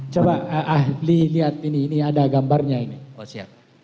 coba ahli lihat ini ada gambarnya ini